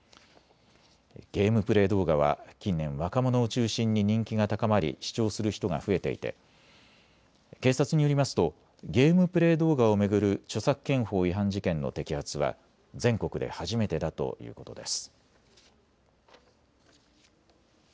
ゲームプレー動画は近年、若者を中心に人気が高まり視聴する人が増えていて警察によりますとゲームプレー動画を巡る著作権法違反事件の摘発は全国で初めてだということです。